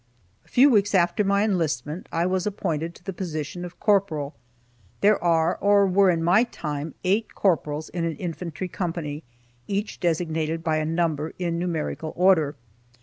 A few weeks after my enlistment, I was appointed to the position of corporal. There are, or were in my time, eight corporals in an infantry company, each designated by a number, in numerical order.